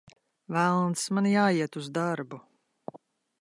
Velns, man jāiet uz darbu!